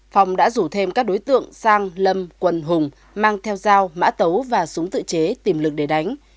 phong đã rủ thêm các đối tượng sang lâm quần hùng mang theo dao mã tấu và súng tự chế tìm lực để đánh